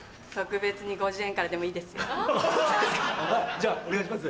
じゃお願いします。